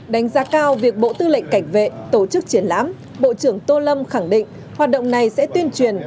đánh giá cao việc bộ tư lệnh cảnh vệ tổ chức triển lãm bộ trưởng tô lâm khẳng định hoạt động này sẽ tuyên truyền